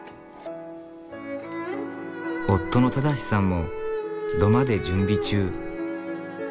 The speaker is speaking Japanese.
夫の正さんも土間で準備中。